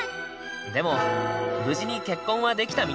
でも無事に結婚はできたみたいだ。